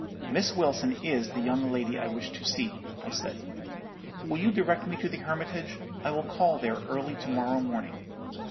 "'Miss Wilson is the young lady I wish to see,' I said. 'Will you direct me to the Hermitage? I will call there early to morrow morning.'